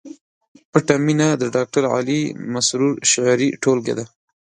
پټه مینه د ډاکټر علي مسرور شعري ټولګه ده